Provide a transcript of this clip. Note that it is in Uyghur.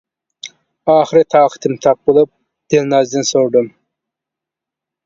ئاخىرى تاقىتىم تاق بولۇپ دىلنازدىن سورىدىم.